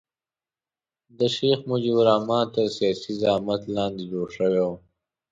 د شیخ مجیب الرحمن تر سیاسي زعامت لاندې جوړ شوی وو.